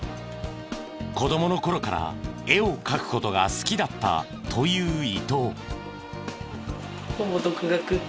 子供の頃から絵を描く事が好きだったという伊東。